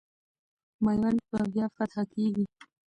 میوند به بیا فتح کېږي.